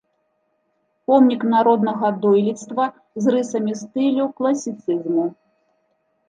Помнік народнага дойлідства з рысамі стылю класіцызму.